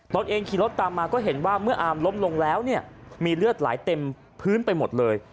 เองขี่รถตามมาก็เห็นว่าเมื่ออาร์มล้มลงแล้วเนี่ยมีเลือดไหลเต็มพื้นไปหมดเลย